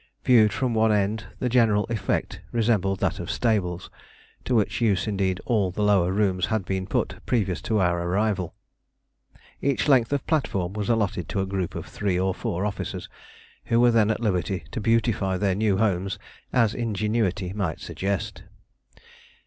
Viewed from one end the general effect resembled that of stables, to which use indeed all the lower rooms had been put previous to our arrival. Each length of platform was allotted to a group of three or four officers, who were then at liberty to beautify their new homes as ingenuity might suggest.